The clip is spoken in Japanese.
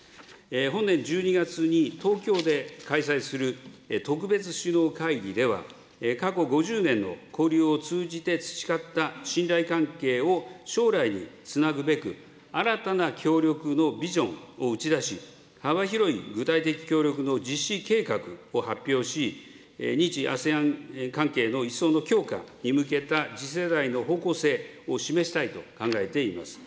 本年１２月に東京で開催する特別首脳会議では、過去５０年の交流を通じて培った信頼関係を将来につなぐべく、新たな協力のビジョンを打ち出し、幅広い具体的協力の実施計画を発表し、日・ＡＳＥＡＮ関係の一層の強化に向けた次世代の方向性を示したいと考えています。